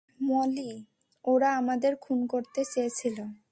মলি, ওরা আমাদের খুন করতে চেয়েছিল।